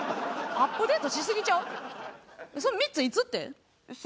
アップデートしすぎちゃう？